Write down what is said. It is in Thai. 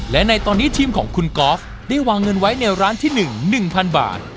และในตอนนี้ทีมของคุณกอล์ฟได้วางเงินไว้ในร้านที่หนึ่งหนึ่งพันบาท